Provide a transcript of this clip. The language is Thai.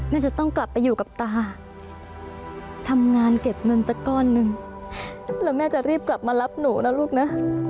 น่าจะต้องกลับไปอยู่กับตาทำงานเก็บเงินสักก้อนหนึ่งแล้วแม่จะรีบกลับมารับหนูนะลูกนะ